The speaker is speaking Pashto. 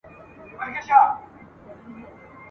غازي د چا وو یتیم څوک وو پلار یې چا وژلی؟ !.